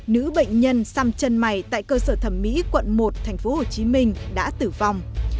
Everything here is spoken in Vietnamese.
nữ bệnh nhân sam trân mày tại cơ sở thẩm mỹ quận một tp hcm đã tử vong